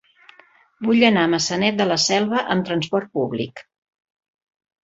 Vull anar a Maçanet de la Selva amb trasport públic.